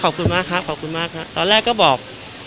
ขอบคุณมากครับขอบคุณมากครับตอนแรกก็บอก